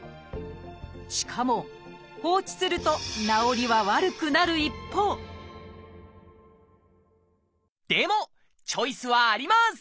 しかも放置すると治りは悪くなる一方でもチョイスはあります！